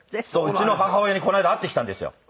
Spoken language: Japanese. うちの母親にこの間会ってきたんですよ。